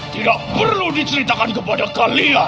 tidak perlu diceritakan kepada kalian